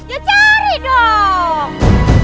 ya cari dong